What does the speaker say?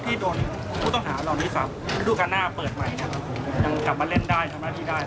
ที่โดนผู้ต้องหาเหล่านี้ซ้ำดูการหน้าเปิดใหม่นะครับยังกลับมาเล่นได้ทำหน้าที่ได้